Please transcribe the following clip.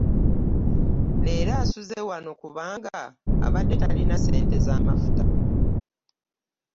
Lero asuze wano kubanga abadde tallina sente z'amafuta.